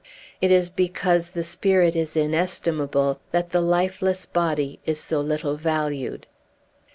It is because the spirit is inestimable that the lifeless body is so little valued.